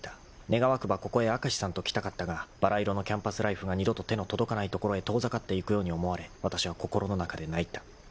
［願わくばここへ明石さんと来たかったがばら色のキャンパスライフが二度と手の届かない所へ遠ざかっていくように思われわたしは心の中で泣いた］